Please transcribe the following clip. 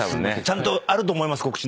ちゃんとあると思います告知。